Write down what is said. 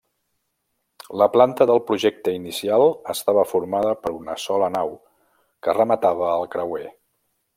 La planta del projecte inicial estava formada per una sola nau que rematava el creuer.